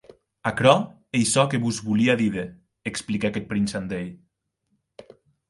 Aquerò ei çò que vos volia díder, expliquèc eth prince Andrei.